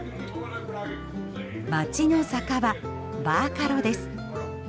街の酒場バーカロです。